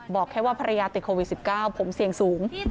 บอกแค่ว่าภรรยาติดโควิด๑๙ผมเสี่ยงสูง